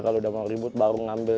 kalau sudah mau ribut baru ambil